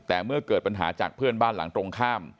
แต่เมื่อเกิดปัญหาจากเพื่อนบ้านหลังตรงข้าม